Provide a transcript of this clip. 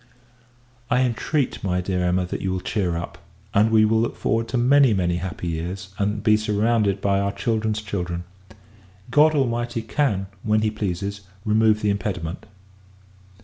I intreat, my dear Emma, that you will chear up; and we will look forward to many, many happy years, and be surrounded by our children's children. God Almighty can, when he pleases, remove the impediment.